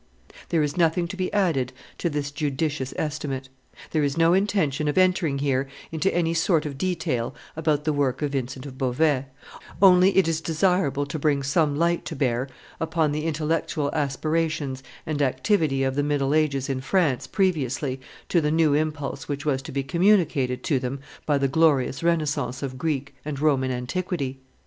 There is nothing to be added to this judicious estimate; there is no intention of entering here into any sort of detail about the work of Vincent of Beauvais; only it is desirable to bring some light to bear upon the intellectual aspirations and activity of the middle ages in France previously to the new impulse which was to be communicated to them by the glorious renaissance of Greek and Roman antiquity.